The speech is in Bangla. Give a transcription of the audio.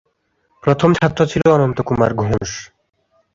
প্রথম ছাত্র ছিল অনন্ত কুমার ঘোষ।